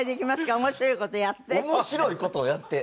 面白い事をやって？